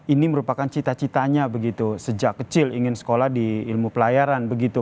ini merupakan cita citanya begitu sejak kecil ingin sekolah di ilmu pelayaran begitu